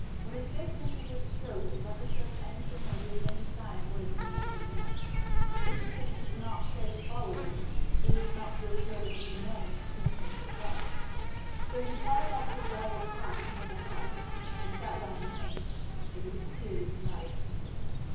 When a snake misses its stroke, it never says anything or gives any sign of what it means to do next. Rikki tikki did not care to follow them, for he did not feel sure that he could manage two snakes at once. So he trotted off to the gravel path near the house, and sat down to think. It was a serious matter for him.